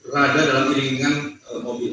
rada dalam kiringan mobil